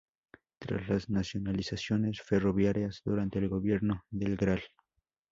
Tras las nacionalizaciones ferroviarias durante el gobierno del Gral.